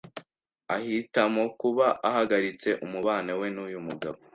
ahitamo kuba ahagaritse umubano we n’uyu mugabo